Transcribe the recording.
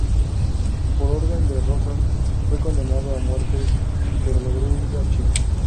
Por orden de Rosas fue condenado a muerte, pero logró huir a Chile.